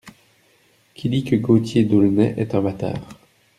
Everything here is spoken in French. Qui dit que Gaultier d’Aulnay est un bâtard ?